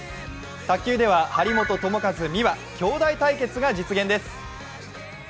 卓球では張本智和・美和、きょうだい対決が実現です。